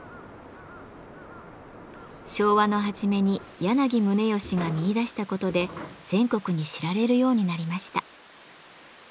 昭和の初めに柳宗悦が見いだしたことで全国に知られるようになりました。